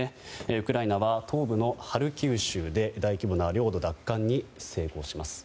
ウクライナは東部のハルキウ州で大規模な領土奪還に成功します。